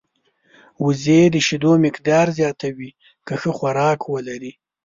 وزې د شیدو مقدار زیاتوي که ښه خوراک ولري